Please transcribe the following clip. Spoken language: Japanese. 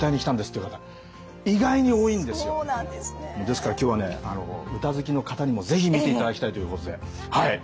ですから今日はね歌好きの方にも是非見ていただきたいということではい。